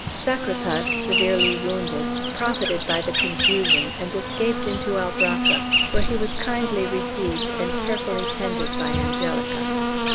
Sacripant, severely wounded, profited by the confusion, and escaped into Albracca, where he was kindly received and carefully tended by Angelica.